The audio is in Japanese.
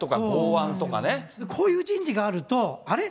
こういう人事があると、あれ？